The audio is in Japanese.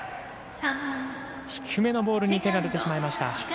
低めのボールに手が出てしまいました。